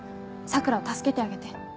さくらを助けてあげて。